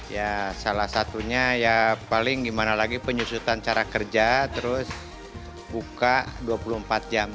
ya salah satunya ya paling gimana lagi penyusutan cara kerja terus buka dua puluh empat jam